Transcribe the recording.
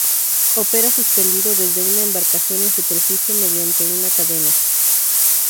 Opera suspendido desde una embarcación en superficie mediante una cadena.